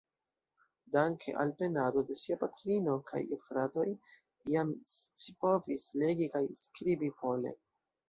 Danke al penado de sia patrino kaj gefratoj jam scipovis legi kaj skribi pole.